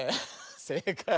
せいかい！